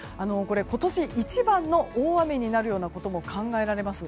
今年一番の大雨になるようなことも考えられます。